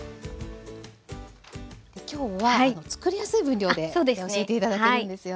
今日は作りやすい分量で教えて頂けるんですよね。